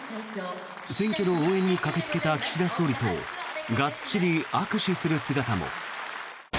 選挙の応援に駆けつけた岸田総理とがっちり握手する姿も。